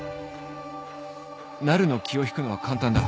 なるの気を引くのは簡単だ